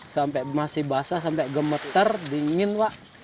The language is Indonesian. sampai masih basah sampai gemeter dingin pak